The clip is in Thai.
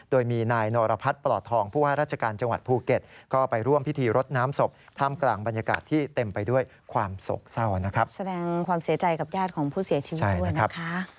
โดยมีนายนรพัฒน์ปลอดทองผู้ว่าราชการจังหวัดภูเก็ตก็ไปร่วมพิธีรดน้ำศพท่ามกลางบรรยากาศที่เต็มไปด้วยความโศกเศร้านะครับแสดงความเสียใจกับญาติของผู้เสียชีวิตด้วยนะคะ